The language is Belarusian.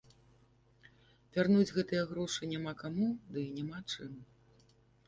Вярнуць гэтыя грошы няма каму, ды і няма чым.